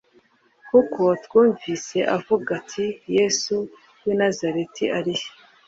kuko twumvise avuga ati yesu w i nazareti arihe